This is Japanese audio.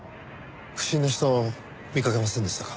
不審な人見かけませんでしたか？